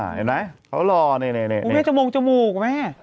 เห็นไหมเขาหล่อยนี่แม่โฉมงโฉมูกแม่